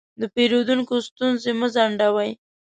د پیرودونکو ستونزې مه ځنډوئ.